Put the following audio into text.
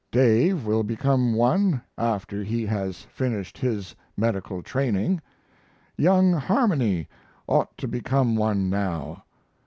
Dave will become one after he has finished his medical training. Young Harmony ought to become one now.